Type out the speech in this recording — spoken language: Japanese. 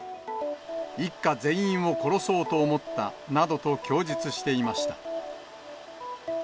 一家全員を殺そうと思ったなどと供述していました。